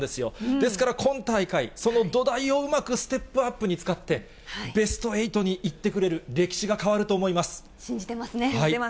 ですから今大会、その土台をうまくステップアップに使って、ベスト８に行ってくれ信じてますね。